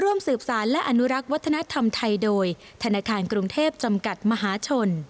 ร่วมสืบสารและอนุรักษ์วัฒนธรรมไทยโดยธนาคารกรุงเทพจำกัดมหาชน